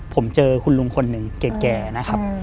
ผมเจอคุณลุงคนหนึ่งแก่นะครับ